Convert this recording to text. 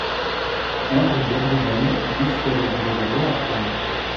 un rue Georges Herelle, dix, zéro zéro zéro à Troyes